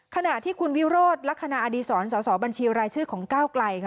ขณะที่คุณวิโรธลักษณะอดีศรสอสอบัญชีรายชื่อของก้าวไกลค่ะ